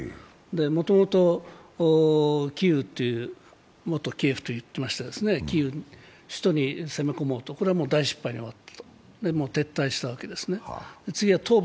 もともとキーウ、元キエフと言ってましたが首都に攻め込もうと、これは大失敗に終わったと、もう撤退したわけですね。